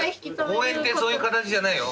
応援ってそういう形じゃないよ。